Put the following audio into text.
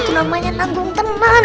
tuh namanya tanggung teman